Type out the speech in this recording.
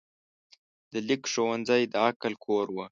د لیک ښوونځی د عقل کور و.